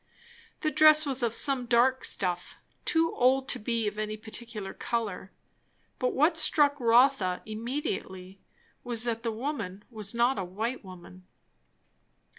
The dress was of some dark stuff, too old to be of any particular colour. But what struck Rotha immediately was, that the woman was not a white woman.